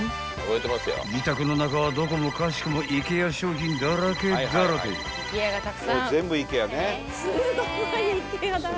［自宅の中はどこもかしこもＩＫＥＡ商品だらけだらけ］